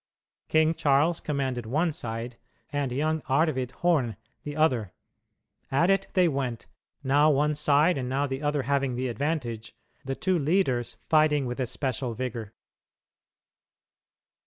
King Charles commanded one side, and young Arvid Horn the other. At it they went, now one side and now the other having the advantage, the two leaders fighting with especial vigor.